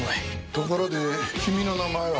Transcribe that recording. ところで君の名前は？